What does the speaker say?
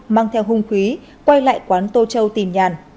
mang theo hung khí quay lại quán tô châu tìm nhàn